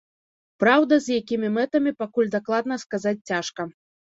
Праўда, з якімі мэтамі, пакуль дакладна сказаць цяжка.